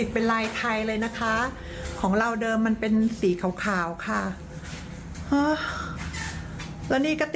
เปลี่ยนเป็นสีขาวใหม่นะคะ